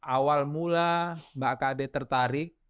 awal mula mbak kade tertarik